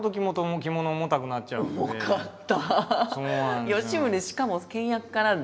重かった！